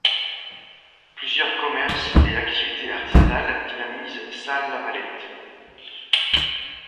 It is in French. Plusieurs commerces et activités artisanales dynamisent Salles-Lavalette.